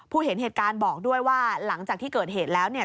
เห็นเหตุการณ์บอกด้วยว่าหลังจากที่เกิดเหตุแล้วเนี่ย